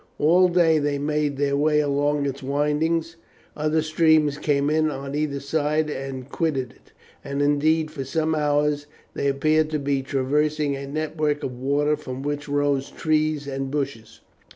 All day they made their way along its windings; other streams came in on either side or quitted it; and, indeed, for some hours they appeared to be traversing a network of water from which rose trees and bushes.